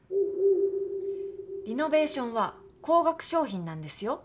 リノベーションは高額商品なんですよ？